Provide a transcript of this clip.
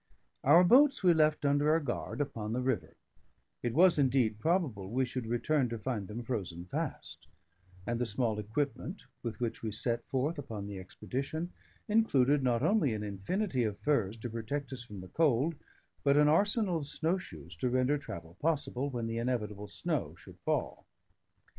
Our boats we left under a guard upon the river; it was, indeed, probable we should return to find them frozen fast; and the small equipment with which we set forth upon the expedition, included not only an infinity of furs to protect us from the cold, but an arsenal of snow shoes to render travel possible, when the inevitable snow should fall.